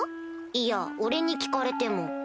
いや俺に聞かれても。